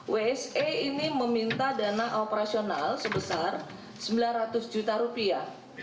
wse ini meminta dana operasional sebesar sembilan ratus juta rupiah